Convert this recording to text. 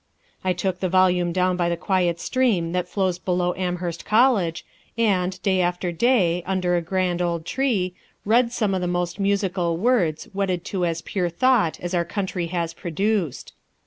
I took the volume down by the quiet stream that flows below Amherst College, and day after day, under a grand old tree, read some of the most musical words, wedded to as pure thought as our century has produced.